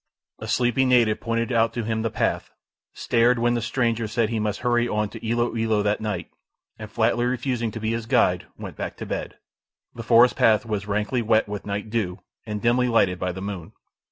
A sleepy native pointed out to him the path, stared, when the stranger said he must hurry on to Ilo Ilo that night, and flatly refusing to be his guide, went back to bed. The forest path was rankly wet with night dew, and dimly lighted by the moon.